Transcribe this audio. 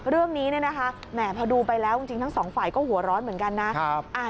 เรื่องนี้เนี่ยนะคะแหมพอดูไปแล้วจริงทั้งสองฝ่ายก็หัวร้อนเหมือนกันนะ